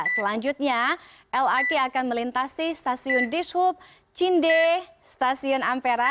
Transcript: selanjutnya lrt akan melintasi stasiun dishub cinde stasiun ampera